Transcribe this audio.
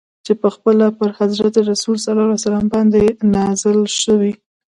چي پخپله پر حضرت رسول ص باندي نازل سوی.